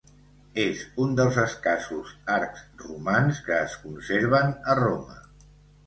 És un dels escassos arcs romans que es conserven a Roma.